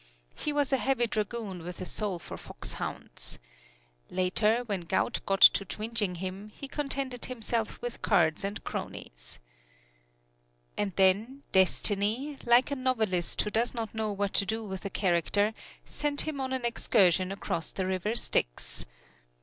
He was a heavy dragoon with a soul for foxhounds. Later, when gout got to twinging him, he contented himself with cards and cronies. And then Destiny, like a novelist who does not know what to do with a character, sent him on an excursion across the River Styx.